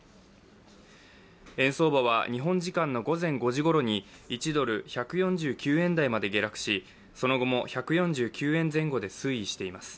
円相場は日本時間の午前５時ごろに１ドル＝１４９円台まで下落し、その後も１４９円前後で推移しています。